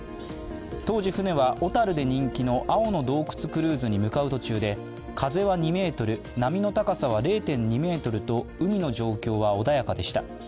当時、船は小樽で人気の青の洞窟クルーズに向かう途中で風は２メートル、波の高さは０．２ｍと海の状況は穏やかでした。